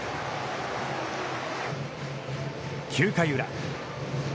９回裏。